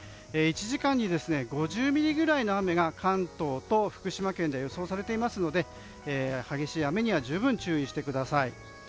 １時間に５０ミリぐらいの雨が関東と福島県では予想されていますので激しい雨には十分注意してください。